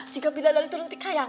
jika tidak dari turun tika yangan